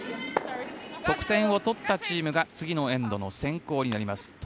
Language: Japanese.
得点を取ったチームが次のエンドの先攻になります。